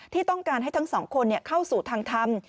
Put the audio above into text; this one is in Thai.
ที่ต้องการให้ทั้งสองคนเข้าสู่ทางธรรม